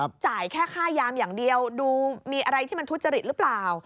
จ่ายแค่ค่ายามอย่างเดียวดูมีอะไรที่มันทุจริตหรือเปล่า